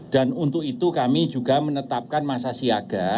dan untuk itu kami juga menetapkan masa siaga